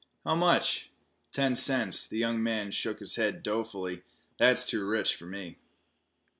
"How much?" "Ten cents." The young man shook his head dolefully. "That's too rich for me."